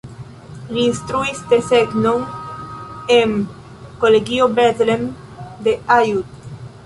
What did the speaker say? Li instruis desegnon en Kolegio Bethlen de Aiud.